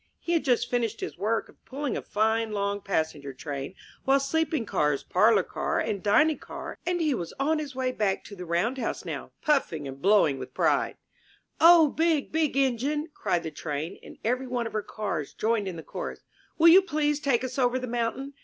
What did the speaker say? He had just finished his work of pulling a fine long passenger train, with sleeping cars, parlor car, and dining car, and he was on his way back to the roundhouse now, puffing and blowing with pride. 194 IN THE NURSERY *'0 Big, Big Engine!'* cried the Train, and every one of her Cars joined in the chorus, ''Will you please take us over the mountain?